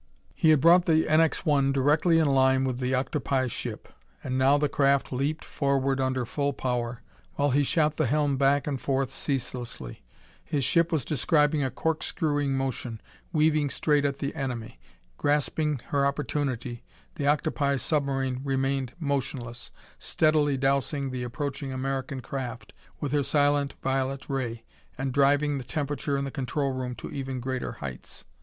He had brought the NX 1 directly in line with the octopi ship. And now the craft leaped forward under full power, while he shot the helm back and forth ceaselessly. His ship was describing a corkscrewing motion, weaving straight at the enemy. Grasping her opportunity, the octopi submarine remained motionless, steadily dousing the approaching American craft with her silent violet ray and driving the temperature in the control room to even greater heights.